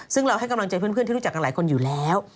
ซึ่งเราให้กำลังใจเพื่อนที่รู้จักกันหลายคนอยู่แล้ว